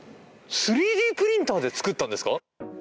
３Ｄプリンターで作ったんですか？